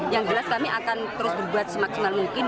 yang jelas kami akan terus berbuat semaksimal mungkin